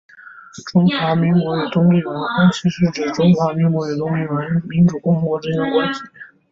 中华民国与东帝汶关系是指中华民国与东帝汶民主共和国之间的关系。